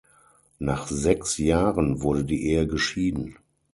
Nach sechs Jahren wurde die Ehe geschieden.